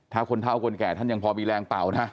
ถ้าคนเท่าคนแก่ท่านยังพอมีแรงเป่านะ